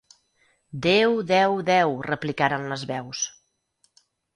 Déu deu deu —replicaren les veus.